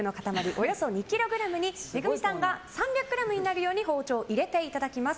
およそ２ｋｇにＭＥＧＵＭＩさんが３００ｇになるように包丁を入れていただきます。